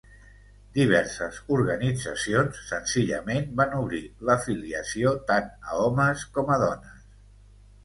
Diverses organitzacions senzillament van obrir l'afiliació tant a homes com a dones.